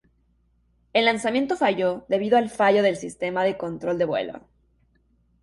El lanzamiento falló debido al fallo del sistema de control de vuelo.